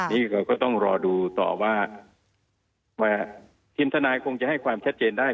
นี่เราก็ต้องรอดูต่อว่าทีมทนายคงจะให้ความชัดเจนได้